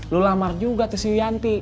lu lamar juga tuh si bianti